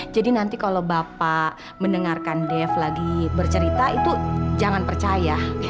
jadi nanti kalau bapak mendengarkan dev lagi bercerita itu jangan percaya